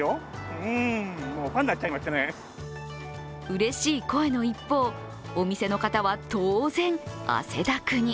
うれしい声の一方、お店の方は当然、汗だくに。